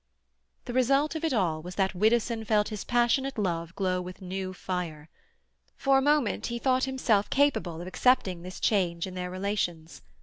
The result of it all was that Widdowson felt his passionate love glow with new fire. For a moment he thought himself capable of accepting this change in their relations.